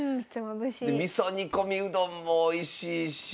味噌煮込みうどんもおいしいし。